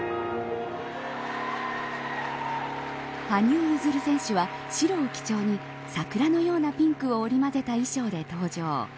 羽生結弦選手は、白を基調に桜のようなピンクを織り交ぜた衣装で登場。